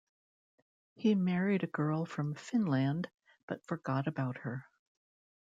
He married a girl from "Finnland", but forgot about her.